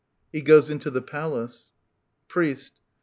[He goes in to the Palace. Priest.